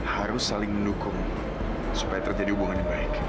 harus saling mendukung supaya terjadi hubungan yang baik